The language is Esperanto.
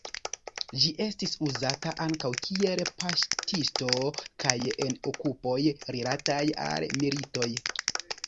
Ĝi estis uzata ankaŭ kiel paŝtisto kaj en okupoj rilataj al militoj.